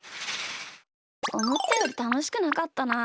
おもったよりたのしくなかったな。